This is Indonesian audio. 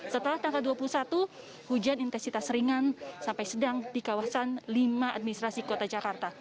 setelah tanggal dua puluh satu hujan intensitas ringan sampai sedang di kawasan lima administrasi kota jakarta